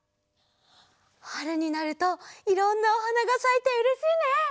はるになるといろんなおはながさいてうれしいね！